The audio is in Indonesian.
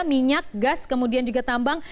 minyak gas kemudian juga tambang